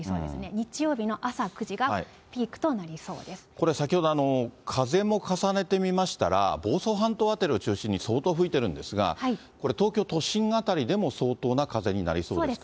日曜日の朝９時がピークとなりそこれ、先ほど、風も重ねてみましたら、房総半島辺りを中心に相当吹いているんですが、これ、東京都心辺りでも相当な風になりそうですか。